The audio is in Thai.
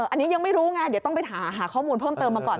อันนี้ยังไม่รู้ไงเดี๋ยวต้องไปหาข้อมูลเพิ่มเติมมาก่อน